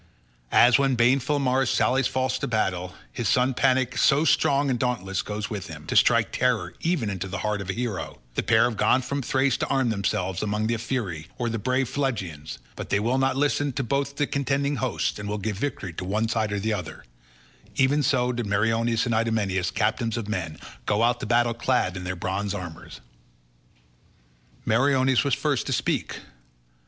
As when baneful Mars sallies forth to battle, and his son Panic so strong and dauntless goes with him, to strike terror even into the heart of a hero—the pair have gone from Thrace to arm themselves among the Ephyri or the brave Phlegyans, but they will not listen to both the contending hosts, and will give victory to one side or to the other—even so did Meriones and Idomeneus, captains of men, go out to battle clad in their bronze armour. Meriones was first to speak.